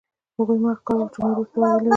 هغوی هماغه کار وکړ چې مور یې ورته ویلي وو